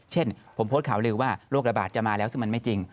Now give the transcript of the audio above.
เช่นผมโพสต์ข่าวลือว่าโรคระบาดจะมาแล้วซึ่งมันไม่จริง